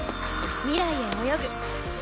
未来へ泳ぐ。